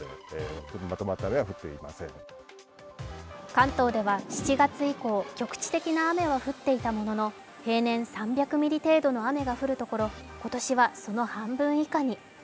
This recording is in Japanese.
関東では７月以降、局地的な雨は降っていたものの平年３００ミリ程度の雨が降るところ今年はその半分以下に。